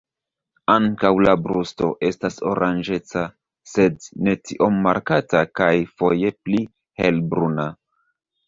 Ankaŭ la brusto estas oranĝeca, sed ne tiom markata kaj foje pli helbruna.